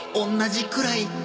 同じくらい。